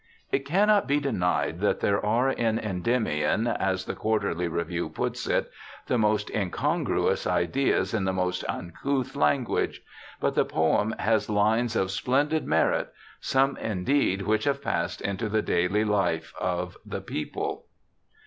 It cannot be denied that there are in Endyuiiofi, as the Quarterly Review puts it, ' the most incongruous ideas in the most uncouth language,' but the poem has lines of splendid merit, some indeed which have passed into the daily life of the people.